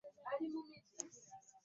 Osinga kubeera mu kiffo ki?